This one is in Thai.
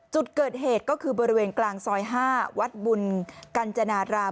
จุดเกิดเหตุก็คือบริเวณกลางซอย๕วัดบุญกัญจนาราม